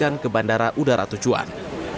dan ke bandara udara tujuan